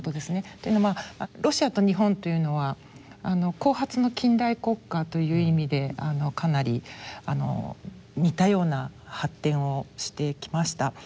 というのもロシアと日本というのは後発の近代国家という意味でかなり似たような発展をしてきました。